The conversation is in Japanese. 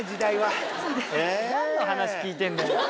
何の話聞いてるんだよ。